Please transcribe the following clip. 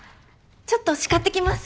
ちょっと叱ってきます。